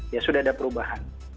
ya sudah ada perubahan